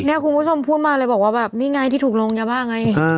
คุณผู้ชมพูดมาเลยบอกว่าแบบนี่ไงที่ถูกลงยาบ้าไง